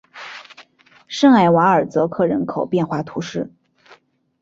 圣埃瓦尔泽克人口变化图示